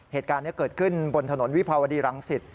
เหตุการณ์นี้เกิดขึ้นบนถนนวิภาวดีรังสิต